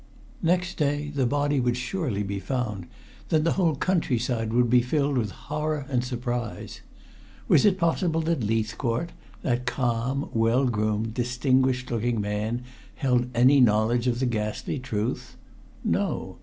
Next day the body would surely be found; then the whole countryside would be filled with horror and surprise. Was it possible that Leithcourt, that calm, well groomed, distinguished looking man, held any knowledge of the ghastly truth? No.